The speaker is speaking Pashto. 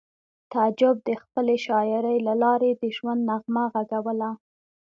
تعجب د خپلې شاعرۍ له لارې د ژوند نغمه غږوله